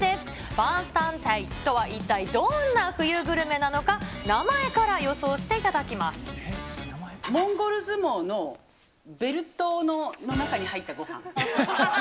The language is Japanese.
バンシタイ・ツァイとは、どんな冬グルメなのか、名前から予想しモンゴル相撲のベルトの中に入ったごはん。